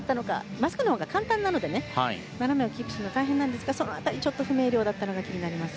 真っすぐのほうが簡単なので斜めをキープするほうが大変なんですが、その辺り不明瞭だったのが気になります。